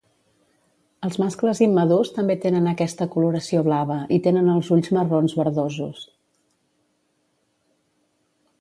Els mascles immadurs també tenen aquesta coloració blava i tenen els ulls marrons verdosos.